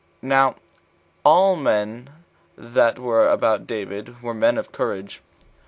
4. Now all the men that were about David were men of courage.